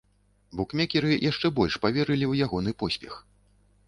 Букмекеры яшчэ больш паверылі ў ягоны поспех.